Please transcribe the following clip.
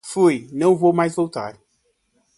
Fui! Não vou mais voltar.